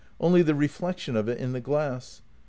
Only the reflection of it in the glass.